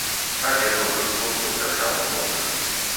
Але добрых хлопцаў таксама многа.